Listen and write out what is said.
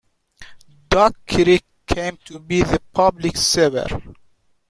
Dock Creek came to be the public sewer.